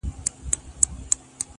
خداى دي كړي خير گراني څه سوي نه وي,